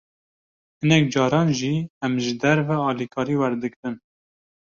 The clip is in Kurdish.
Hinek caran jî, em ji derve alîkarî werdigrin